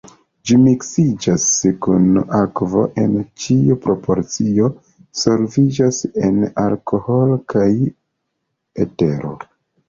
Ĝi miksiĝas kun akvo en ĉiu proporcio, solviĝas en alkoholo kaj etero.